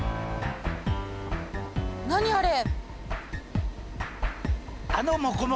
何あれ！？